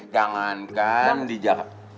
jangankan di jakarta